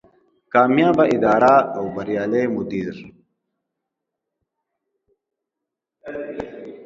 کاميابه اداره او بريالی مدير